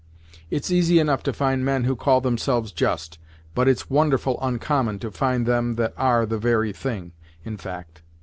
It's easy enough to find men who call themselves just, but it's wonderful oncommon to find them that are the very thing, in fact.